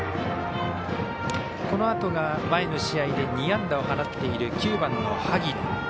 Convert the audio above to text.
このあとが前の試合で２安打を放っている９番の萩野。